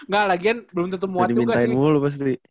nggak lagian belum tentu muat juga sih